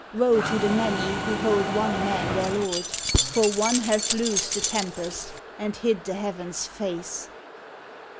Woe to the many, who hold one man their lord ! For one hath loosed the tempest, and hid the heavens face!